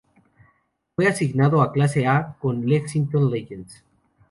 Fue asignado a Clase-A con Lexington Legends.